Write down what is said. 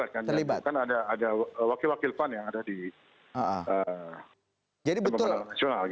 kan ada wakil wakil pan yang ada di teman teman nasional